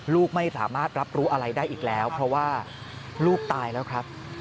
ลูกไม่สามารถรับรู้อะไรได้อีกแล้วเพราะว่าลูกตายแล้วครับ